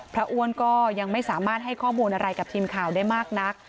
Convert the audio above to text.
อ้วนก็ยังไม่สามารถให้ข้อมูลอะไรกับทีมข่าวได้มากนัก